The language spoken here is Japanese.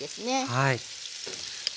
はい。